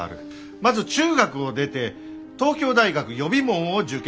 まず中学を出て東京大学予備門を受験。